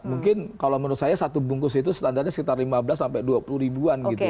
mungkin kalau menurut saya satu bungkus itu standarnya sekitar lima belas sampai dua puluh ribuan gitu